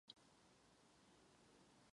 Přispěje také ke snížení spotřeby vody.